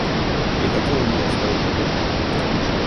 Я хотела ей оставить ребенка.